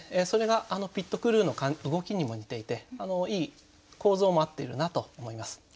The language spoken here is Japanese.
それがあのピットクルーの動きにも似ていていい構造も合っているなと思います。